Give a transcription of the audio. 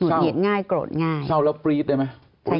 เศร้าแล้วปรี๊ดได้ไหม